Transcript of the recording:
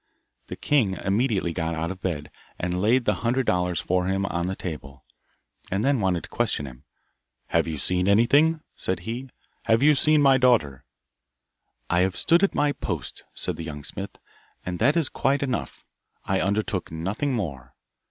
The king immediately got out of bed, and laid the hundred dollars for him on the table, and then wanted to question him. 'Have you seen anything?' said he. 'Have you seen my daughter?' 'I have stood at my post,' said the young smith, 'and that is quite enough; I undertook nothing more.